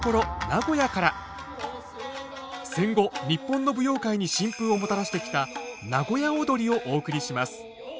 戦後日本の舞踊界に新風をもたらしてきた名古屋をどりをお送りします。